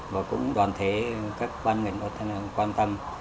và cũng đoàn thể các bang mình quan tâm